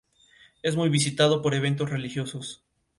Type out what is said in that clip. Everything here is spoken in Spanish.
Es muy visitado por eventos religiosos.